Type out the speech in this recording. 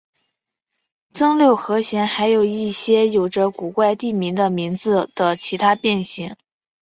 增六和弦还有一些有着古怪地名的名字的其他变形。